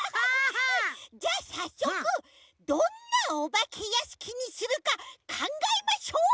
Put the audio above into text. じゃさっそくどんなおばけやしきにするかかんがえましょう！